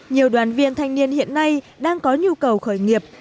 nhiều đoàn viên thanh niên hiện nay đang có nhu cầu khởi nghiệp